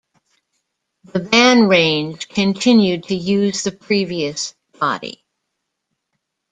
The Van range continued to use the previous body.